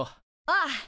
ああ。